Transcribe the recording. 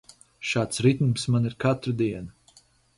Šāds ritms man ir katru dienu.